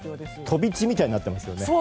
飛び地みたいになってますね。